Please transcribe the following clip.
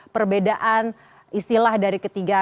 perbedaan istilah dari ketiga